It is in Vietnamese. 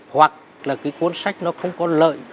hoặc là cái cuốn sách nó không có lợi